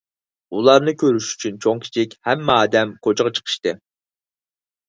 ئۇلارنى كۆرۈش ئۈچۈن چوڭ - كىچىك ھەممە ئادەم كوچىغا چىقىشتى.